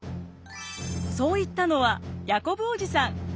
そう言ったのはヤコブ叔父さん。